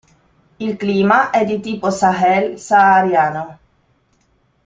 Il clima è di tipo sahel-sahariano.